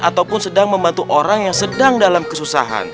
ataupun sedang membantu orang yang sedang dalam kesusahan